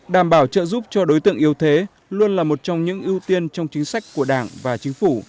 đảm bảo trợ giúp cho đối tượng yếu thế luôn là một trong những ưu tiên trong chính sách của đảng và chính phủ